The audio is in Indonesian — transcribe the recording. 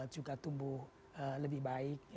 juga tumbuh lebih baik